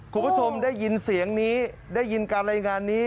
คุณผู้ชมได้ยินเสียงนี้ได้ยินการรายงานนี้